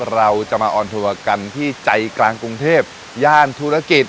เราจะมาออนทัวร์กันที่ใจกลางกรุงเทพย่านธุรกิจ